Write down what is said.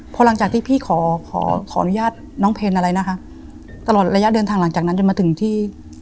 พอหลังจากที่พี่ขอขอขออนุญาตน้องเพนอะไรนะคะตลอดระยะเดินทางหลังจากนั้นจนมาถึงที่